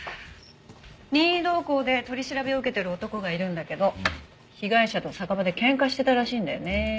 任意同行で取り調べを受けてる男がいるんだけど被害者と酒場で喧嘩してたらしいんだよね。